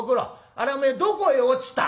あれはお前どこへ落ちた？」。